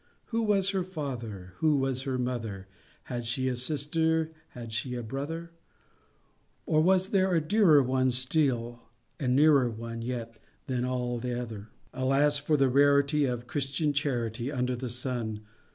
Who was her father? Who was her mother? Had she a sister? Had she a brother? Or was there a dearer one Still, and a nearer one Yet, than all other? Alas! for the rarity Of Christian charity Under the sun!